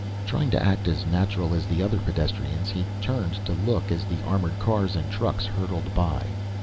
Trying to act as natural as the other pedestrians, he turned to look as the armored cars and trucks hurtled by.